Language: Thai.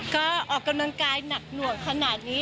ก็ออกกำลังกายหนักหน่วงขนาดนี้